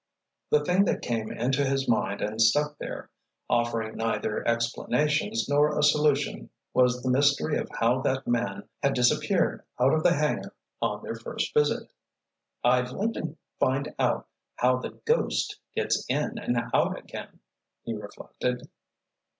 The thing that came into his mind and stuck there, offering neither explanations nor a solution was the mystery of how that man had disappeared out of the hangar on their first visit. "I'd like to find out how the 'ghost' gets in and out again," he reflected.